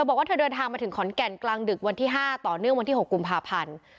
บอกว่าเธอเดินทางมาถึงขอนแก่นกลางดึกวันที่๕ต่อเนื่องวันที่๖กุมภาพันธ์